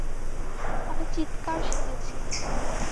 আমি চিৎকার শুনেছি।